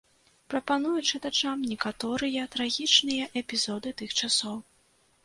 Прапаную чытачам некаторыя трагічныя эпізоды тых часоў.